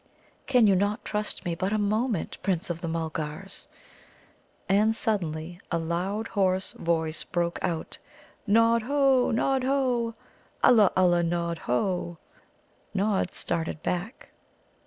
"Can you not trust me but a moment, Prince of the Mulgars?" And suddenly a loud, hoarse voice broke out: "Nod ho, Nod ho! Ulla ulla! Nod ho!" Nod started back.